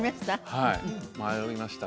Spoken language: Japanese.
はい迷いました